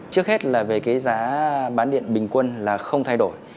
trước hết là về cái giá bán điện bình quân là không thay đổi